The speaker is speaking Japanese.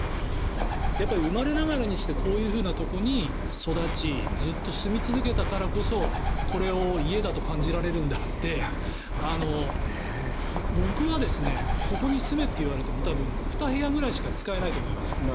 生まれながらにしてこういうところに育ちずっと住み続けたからこそこれを家だと感じられるんであって僕は、ここに住めって言われても多分２部屋ぐらいしか使えないと思いますよ。